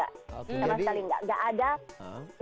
gak ada mereka bertanya tanya soal itu juga